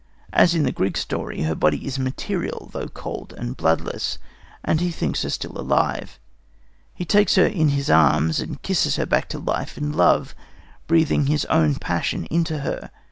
As in the Greek story, her body is material, though cold and bloodless, and he thinks her still alive. He takes her in his arms and kisses her back to life and love, breathing his own passion into her.